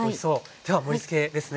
では盛りつけですね。